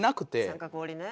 三角折りね。